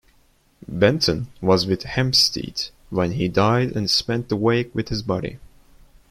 Benton was with Hempstead when he died and spent the wake with his body.